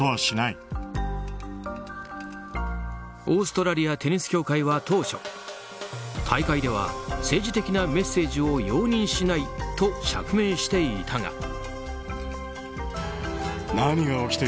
オーストラリアテニス協会は当初大会では政治的なメッセージを容認しないと釈明していたが。